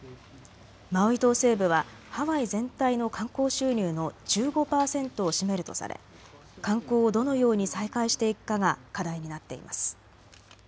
マウイ島西部はハワイ全体の観光収入の１５％を占めるとされ観光をどのように再開していくかが課題になっています。